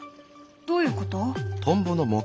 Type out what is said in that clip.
どういうこと？